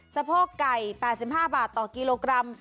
สะโพกไก่๘๕บาทต่อกิโลกรัม